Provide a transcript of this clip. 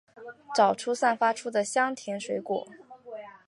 找到散发出的香甜水果味！